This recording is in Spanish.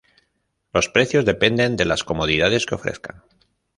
Los precios dependen de las comodidades que ofrezcan.